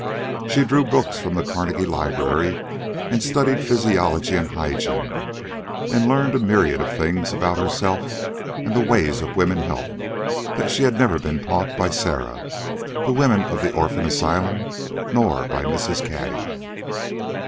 She drew books from the Carnegie Library and studied physiology and hygiene, and learned a myriad of things about herself and the ways of woman's health that she had never been taught by Sarah, the women of the orphan asylum, nor by Mrs. Cady.